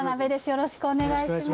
よろしくお願いします。